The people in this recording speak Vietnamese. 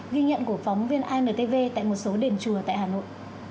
ghi nhận của phóng viên intv tại một số đền chùa tại hà nội